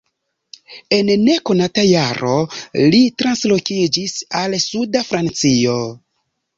En nekonata jaro li translokiĝis al suda Francio.